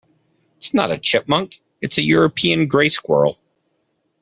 It's not a chipmunk: it's a European grey squirrel.